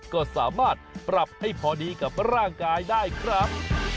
ก็สามารถปรับให้พอดีกับร่างกายได้ครับ